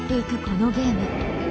このゲーム。